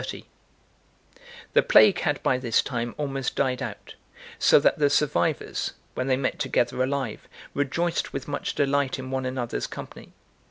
XXX THE PLAGUE had by this time almost died out, so that the survivors, when they met together alive, rejoiced with much delight in one another's company.